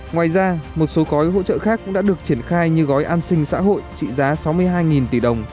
ngoài ra một số gói hỗ trợ khác cũng đã được triển khai như gói an sinh xã hội trị giá sáu mươi hai tỷ đồng